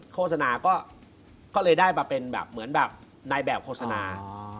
โฆษณาก็เลยได้มาเป็นแบบเหมือนแบบนายแบบโฆษณา